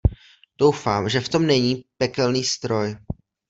Doufám, že v tom není pekelný stroj.